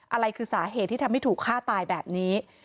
อะไรคือสาเหตุที่ทำให้ถูกฆ่าตายแบบนี้